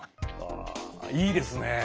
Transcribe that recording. あいいですね。